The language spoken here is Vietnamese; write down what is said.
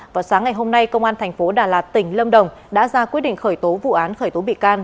vào sáng ngày hôm nay công an thành phố đà lạt tỉnh lâm đồng đã ra quyết định khởi tố vụ án khởi tố bị can